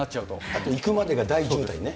あと行くまでが大渋滞ね。